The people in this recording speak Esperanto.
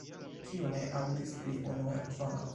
Kiu ne aŭdis pri "Unue Usono"?